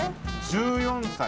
１４歳。